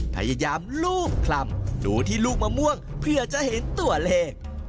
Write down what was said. พยายามลูบคลำดูที่ลูกมะม่วงเพื่อจะเห็นตัวเลข